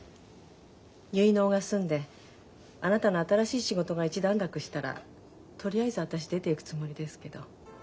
結納が済んであなたの新しい仕事が一段落したらとりあえず私出ていくつもりですけど。